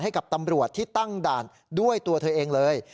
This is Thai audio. ให้กับตำรวจที่ตั้งด่านด้วยตัวเธอเองเลย